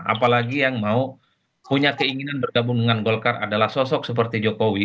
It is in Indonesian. apalagi yang mau punya keinginan bergabung dengan golkar adalah sosok seperti jokowi